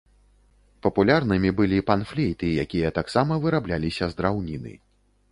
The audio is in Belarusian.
Папулярнымі былі пан-флейты, якія таксама вырабляліся з драўніны.